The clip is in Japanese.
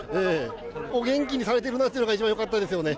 お元気にされてるなっていうのが一番よかったですよね。